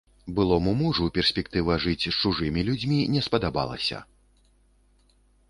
Былому мужу перспектыва жыць з чужымі людзьмі не спадабалася.